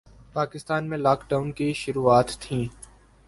پاکستان میں lockdown کی شروعات تھیں